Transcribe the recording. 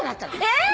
え！